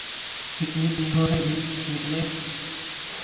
کتنی چیزوں سے بچ نکلے۔